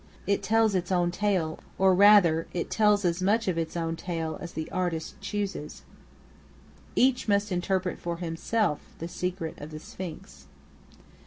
It tells its own tale; or rather it tells as much of its own tale as the artist chooses. Each must interpret for himself The Secret of The Sphinx.